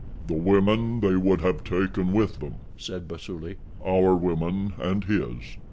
"The women they would have taken with them," said Basuli. "Our women and his."